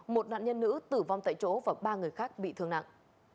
một nạn nhân nữ tử vong tại chỗ và ba người khác bị thương nặng